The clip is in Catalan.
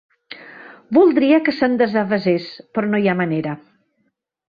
Voldria que se'n desavesés, però no hi ha manera.